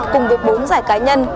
cùng với bốn giải cá nhân